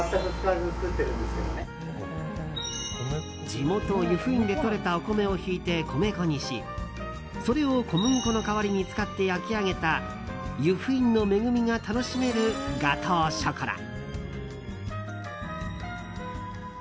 地元・由布院でとれたお米をひいて米粉にし、それを小麦粉の代わりに使って焼き上げた由布院の恵みが楽しめるガトーショコラ。